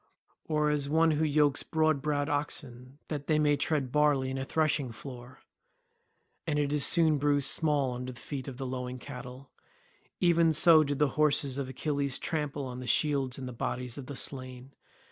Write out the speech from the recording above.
Or as one who yokes broad browed oxen that they may tread barley in a threshing floor—and it is soon bruised small under the feet of the lowing cattle—even so did the horses of Achilles trample on the shields and bodies of the slain.